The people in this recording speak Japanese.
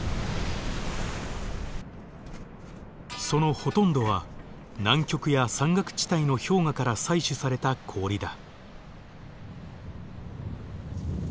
そのほとんどは南極や山岳地帯の氷河から採取された氷だ。